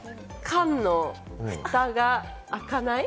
缶のフタが開かない？